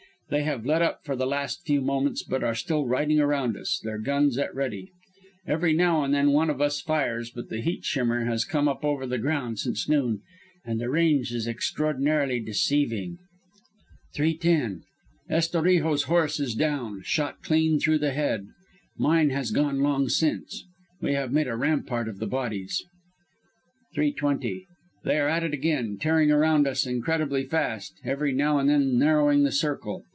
They have let up for the last few moments, but are still riding around us, their guns at 'ready.' Every now and then one of us fires, but the heat shimmer has come up over the ground since noon and the range is extraordinarily deceiving. "Three ten. Estorijo's horse is down, shot clean through the head. Mine has gone long since. We have made a rampart of the bodies. "Three twenty. They are at it again, tearing around us incredibly fast, every now and then narrowing the circle.